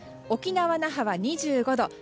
沖縄・那覇は２５度。